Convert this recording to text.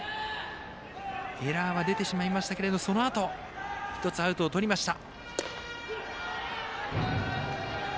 エラーは出てしまいましたが、そのあと１つアウトをとりました。